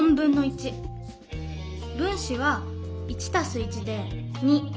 分子は１たす１で２。